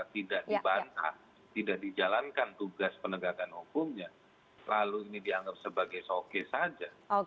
tidak dibantah tidak dijalankan tugas penegakan hukumnya lalu ini dianggap sebagai showcase saja